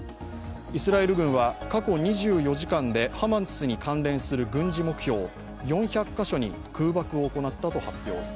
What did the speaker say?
イスラエル軍は過去２４時間でハマスに関連する軍事目標、４００か所に空爆を行ったと発表。